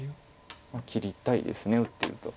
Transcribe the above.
切りたいです打ってると。